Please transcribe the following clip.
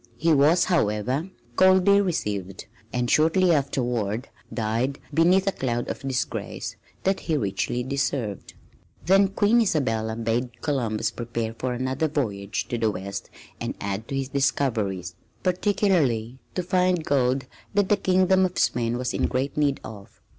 He was, however, coldly received, and shortly afterward died beneath a cloud of disgrace that he richly deserved. Then Queen Isabella bade Columbus prepare for another voyage to the west and add to his discoveries, particularly to find gold that the Kingdom of Spain was in great need of.